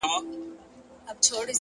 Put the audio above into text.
حکمت د اورېدو هنر هم دی.